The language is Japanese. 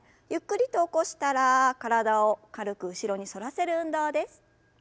ゆっくりと起こしたら体を軽く後ろに反らせる運動です。